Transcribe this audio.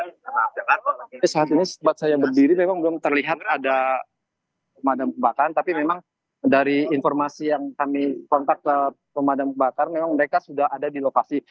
saat ini tempat saya berdiri memang belum terlihat ada pemadam kebakaran tapi memang dari informasi yang kami kontak ke pemadam kebakaran memang mereka sudah ada di lokasi